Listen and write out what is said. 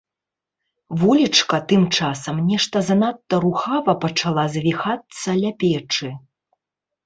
Волечка тым часам нешта занадта рухава пачала завіхацца ля печы.